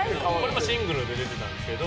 これもシングルで出てたんですけど。